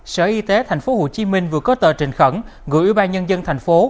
sở y tế tp hcm vừa có tờ trình khẩn gửi ủy ban nhân dân tp